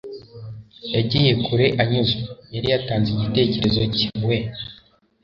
yagiye kure anyuzwe. yari yatanze igitekerezo cye. we